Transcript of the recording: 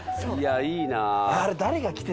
いやいいな。